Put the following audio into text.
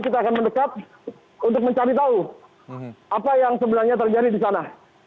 kita akan mendekat untuk mencari tahu apa yang sebenarnya terjadi di sana